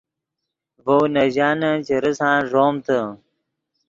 ڤؤ نے ژانن چے ریسان ݱومتے